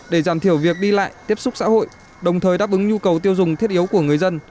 để giảm thiểu việc đi lại tiếp xúc xã hội đồng thời đáp ứng nhu cầu tiêu dùng thiết yếu của người dân